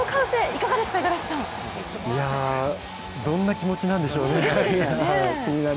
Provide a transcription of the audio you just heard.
いや、どんな気持ちなんでしょうね。